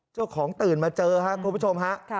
เจ้าของตื่นมาเจอครับคุณผู้ชมฮะ